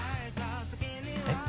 えっ？